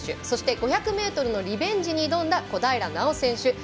そして、５００ｍのリベンジに挑んだ小平奈緒選手。